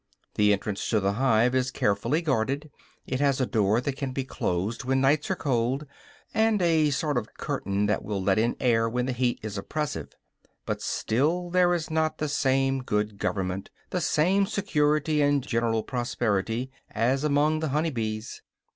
The entrance to the hive is carefully guarded; it has a door that can be closed when nights are cold, and a sort of curtain that will let air in when the heat is oppressive. But still there is not the same good government, the same security and general prosperity, as among the honey bees.